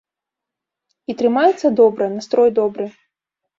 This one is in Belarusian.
І трымаецца добра, настрой добры.